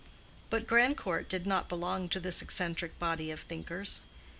But Grandcourt did not belong to this eccentric body of thinkers.